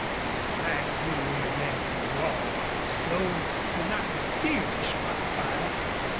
In the black gloom against the wall Slone could not distinguish Wildfire.